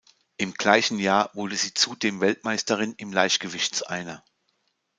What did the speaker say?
Im gleichen Jahr wurde sie zudem Weltmeisterin im Leichtgewichts-Einer.